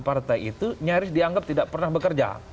partai itu nyaris dianggap tidak pernah bekerja